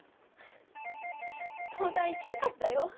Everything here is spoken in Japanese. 東大行きたかったよ？